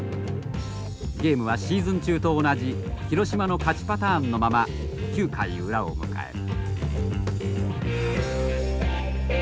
ゲームはシーズン中と同じ広島の勝ちパターンのまま９回裏を迎える。